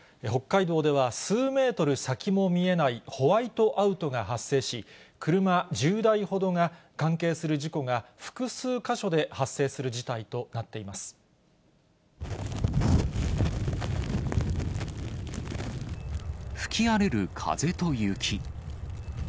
北海道では数メートル先も見えないホワイトアウトが発生し、車１０台ほどが関係する事故が複数箇所で発生する事態となってい吹き荒れる風と雪。